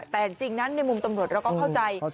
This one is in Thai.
แต่จริงนั้นในมุมตำรวจเราก็เข้าใจ